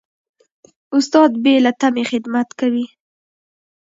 استاد بې له تمې خدمت کوي.